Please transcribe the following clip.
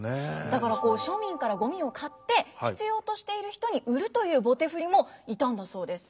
だから庶民からゴミを買って必要としている人に売るという棒手振もいたんだそうです。